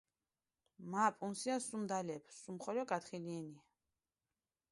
მა პუნსია სუმი დალეფი, სუმხოლო გათხილიენია.